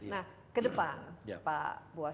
nah kedepan pak buas